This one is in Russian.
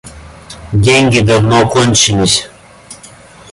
Деньги давно кончились.